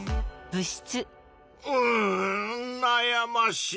うんなやましい。